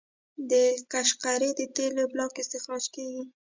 د قشقري د تیلو بلاک استخراج کیږي.